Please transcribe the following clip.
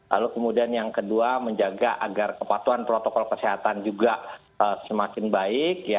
lalu kemudian yang kedua menjaga agar kepatuhan protokol kesehatan juga semakin baik